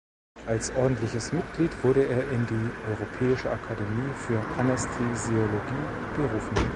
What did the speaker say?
Als ordentliches Mitglied wurde er in die "Europäische Akademie für Anästhesiologie" berufen.